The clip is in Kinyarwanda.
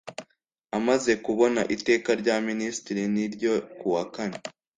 Amaze kubona Iteka rya Minisitiri n ryo kuwa kane